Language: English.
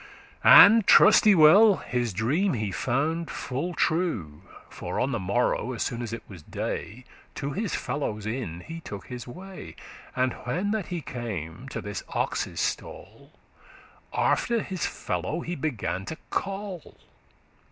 "And, truste well, his dream he found full true; For on the morrow, as soon as it was day, To his fellowes inn he took his way; And when that he came to this ox's stall, After his fellow he began to call.